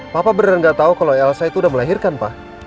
papa beneran gak tau kalau elsa itu udah melahirkan pak